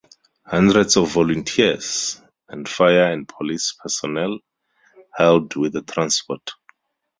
Hundreds of volunteers, and fire and police personnel, helped with the transport.